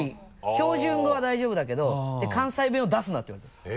標準語は大丈夫だけど関西弁を出すなって言われてるんですよ。